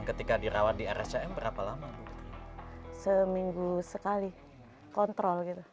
ketika dirawat di rsjm berapa lama seminggu sekali kontrol